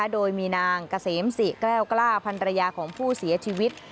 โดยมีนางเกษมศรีแก้วกล้าพันรยาของผู้เสียชีวิต